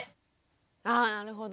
あなるほど。